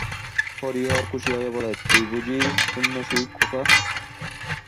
হরিহর খুশি হইয়া বলে, তুই বুঝি শূনসি খোকা?